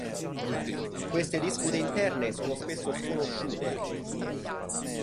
Queste dispute interne sono spesso sconosciute ai forestieri.